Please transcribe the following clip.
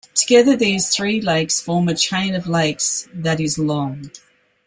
Together these three lakes form a chain of lakes that is long.